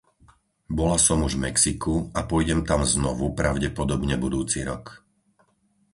Bola som už v Mexiku a pôjdem tam znovu pravdepodobne budúci rok.